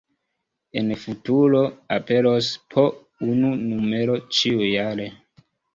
En futuro aperos po unu numero ĉiujare.